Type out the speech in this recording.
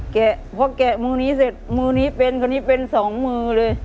แกะพอแกะมือนี้เสร็จมือนี้เป็นคนนี้เป็นสองมือเลย